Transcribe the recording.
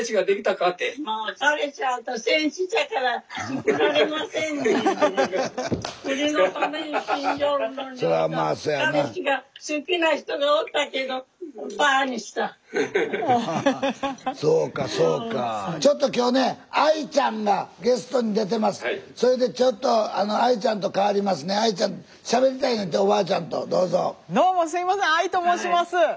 どうもすいませんＡＩと申します。